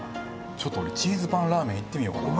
ちょっと俺チーズパンラーメンいってみようかな。